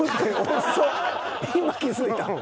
今気づいた？